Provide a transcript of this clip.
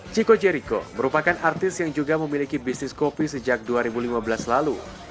chico jerryco merupakan artis yang juga memiliki bisnis kopi sejak dua ribu lima belas lalu